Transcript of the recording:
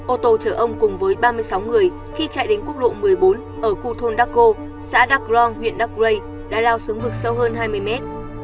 ô tô chở ông cùng với ba mươi sáu người khi chạy đến quốc lộ một mươi bốn ở khu thôn darko xã dark long huyện dark gray đã lao xuống vực sâu hơn hai mươi mét